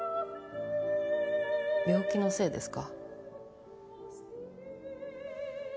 病気のせいですか？